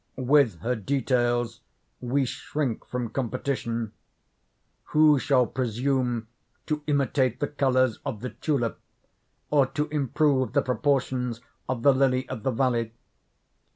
With her details we shrink from competition. Who shall presume to imitate the colors of the tulip, or to improve the proportions of the lily of the valley?